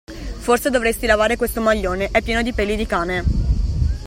Forse dovresti lavare questo maglione, è pieno di peli di cane!